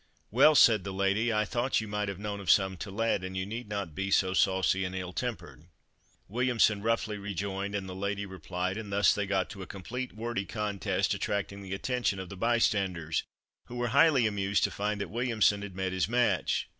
"Well," said the lady, "I thought you might have known of some to let, and you need not be so saucy and ill tempered." Williamson roughly rejoined, and the lady replied, and thus they got to a complete wordy contest attracting the attention of the bystanders, who were highly amused to find that Williamson had met his match.